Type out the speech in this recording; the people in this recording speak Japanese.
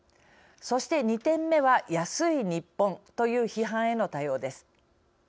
そして２点目は、安い日本という批判への対応です。